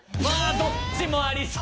どっちもありそう！